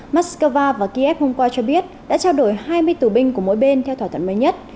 moscow và kiev hôm qua cho biết đã trao đổi hai mươi tù binh của mỗi bên theo thỏa thuận mới nhất